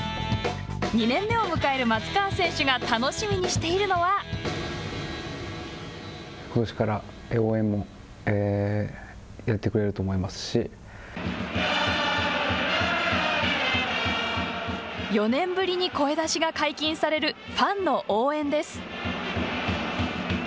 ２年目を迎える松川選手がことしから応援も４年ぶりに声出しが解禁されるファンの応援です。